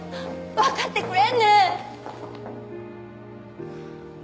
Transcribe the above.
わかってくれんね？